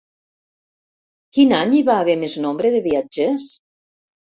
Quin any hi va haver més nombre de viatgers?